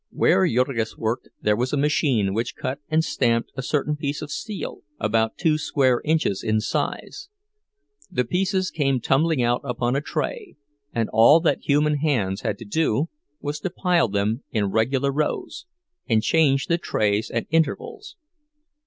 Where Jurgis worked there was a machine which cut and stamped a certain piece of steel about two square inches in size; the pieces came tumbling out upon a tray, and all that human hands had to do was to pile them in regular rows, and change the trays at intervals.